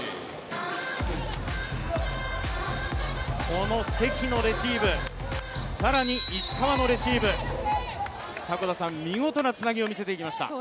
この関のレシーブ、更に石川のレシーブ、見事なつなぎを見せてきました。